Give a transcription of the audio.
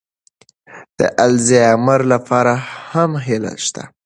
الزایمر لپاره هم هیله شته.